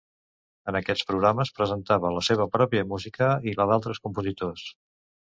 En aquests programes presentava la seva pròpia música i la d'altres compositors.